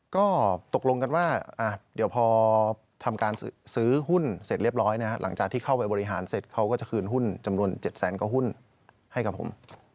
ก็ตกลงกันว่าเดี๋ยวพอทำการซื้อหุ้นเสร็จเรียบร้อยหลังจากที่เข้าไปบริหารเสร็จเขาก็จะคืนหุ้นจำนวน๗แสนกว่าหุ้นให้กับผม